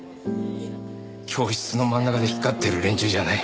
教室の真ん中で光ってる連中じゃない。